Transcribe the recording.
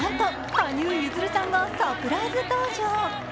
羽生結弦さんがサプライズ登場。